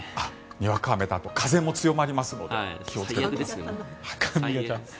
にわか雨とあと、風も強まりますので気をつけてください。